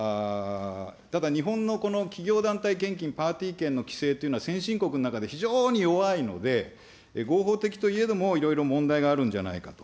ただ、日本のこの企業団体献金パーティー券の規制というのは、先進国の中で非常に弱いので、合法的といえどもいろいろ問題があるんじゃないかと。